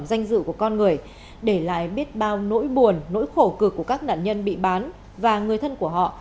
danh dự của con người để lại biết bao nỗi buồn nỗi khổ cực của các nạn nhân bị bán và người thân của họ